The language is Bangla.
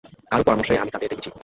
কারো পরামর্শেই আমি তাদের ডেকেছি।